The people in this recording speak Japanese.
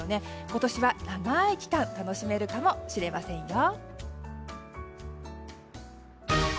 今年は長い期間楽しめるかもしれませんよ。